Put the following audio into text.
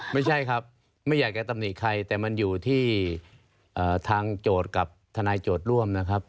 ไม่ใช่ครับไม่อยากจะตำหนิใครแต่มันอยู่ที่ทางโจทย์กับทนายโจทย์ร่วมนะครับ